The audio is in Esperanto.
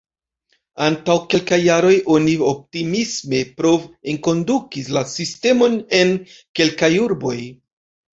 Antaŭ kelkaj jaroj oni optimisme prov-enkondukis la sistemon en kelkaj urboj.